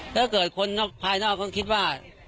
ถ้าเกิดคนภายนอกเขาคิดว่า